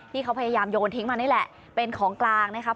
ที่เขาพยายามโยนทิ้งมานี่แหละเป็นของกลางนะครับ